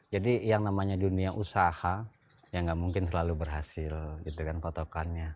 jadi yang namanya dunia usaha ya gak mungkin selalu berhasil gitu kan potokannya